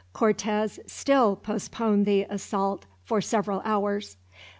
Cortez still postponed the assault for several hours.